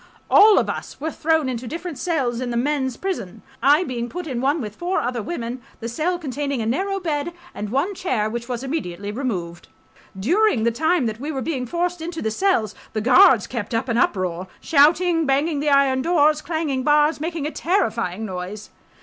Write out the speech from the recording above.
..... .All of us were thrown into different cells in the men's prison, I being put in one with four other women, the cell containing a narrow bed and one chair, which was immediately removed .... During the time that we were being forced into the cells the guards kept up an uproar, shouting, banging the iron doors, clanging bars, making a terrifying noise.